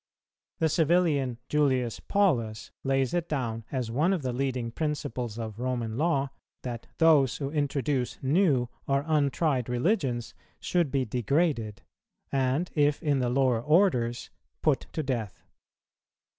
The civilian Julius Paulus lays it down as one of the leading principles of Roman Law, that those who introduce new or untried religions should be degraded, and if in the lower orders put to death.